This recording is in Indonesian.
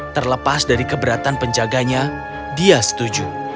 terlepas dari keberatan penjaganya dia setuju